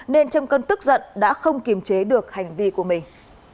nên trong cơn tức giận đã không kiềm chế được hành vi của mình